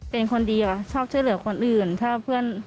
เป็นคนดีเขาชอบเชื่อเหลือคนอื่น